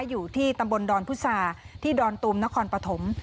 อยู่ที่ตำบลดอนพุษาที่ดอนตูมนครปฐม